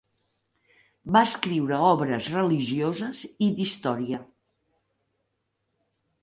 Va escriure obres religioses i d'història.